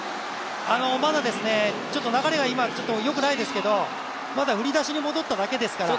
今、流れがよくないですけど、まだ振り出しに戻っただけですから。